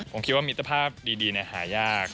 ผมคิดว่ามิตรภาพดีหายาก